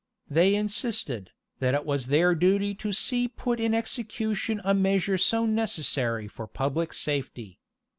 They insisted, that it was their duty to see put in execution a measure so necessary for public safety.